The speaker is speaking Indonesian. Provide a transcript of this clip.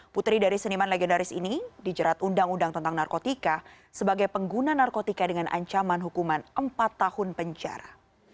putri dari seniman legendaris ini dijerat undang undang tentang narkotika sebagai pengguna narkotika dengan ancaman hukuman empat tahun penjara